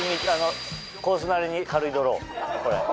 コースなりに軽いドローこれ。